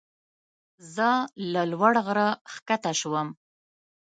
زه له لوړ غره ښکته شوم.